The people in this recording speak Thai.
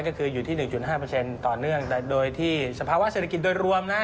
ก็คืออยู่ที่๑๕ต่อเนื่องแต่โดยที่สภาวะเศรษฐกิจโดยรวมนะ